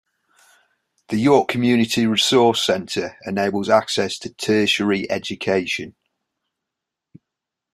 The York Community Resource Centre enables access to tertiary education.